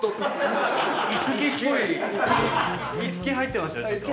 五木入ってましたねちょっと。